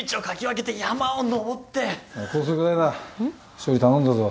処理頼んだぞ。